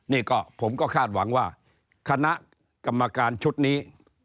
นี่ก็ผมก็คาดหวังว่าคณะกรรมการชุดนี้